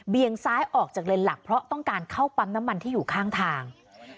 ซ้ายออกจากเลนหลักเพราะต้องการเข้าปั๊มน้ำมันที่อยู่ข้างทาง